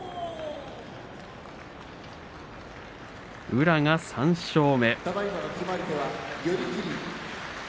宇良が３勝目。